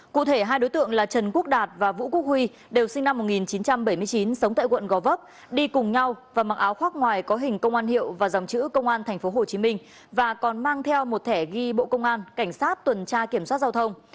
cụ thể hai đối tượng là trần quốc đạt và vũ quốc huy đều sinh năm một nghìn chín trăm bảy mươi chín sống tại quận gò vấp đi cùng nhau và mặc áo khoác ngoài có hình công an hiệu và dòng chữ công an tp hcm và còn mang theo một thẻ ghi bộ công an cảnh sát tuần tra kiểm soát giao thông